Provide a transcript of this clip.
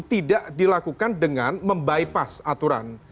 tidak dilakukan dengan membypass aturan